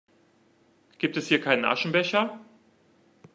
Gibt es hier keinen Aschenbecher?